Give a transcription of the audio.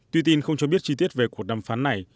tuy tin không cho biết chi tiết về cuộc đàm phán này